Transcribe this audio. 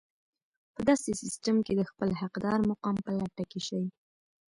په داسې سيستم کې د خپل حقدار مقام په لټه کې شئ.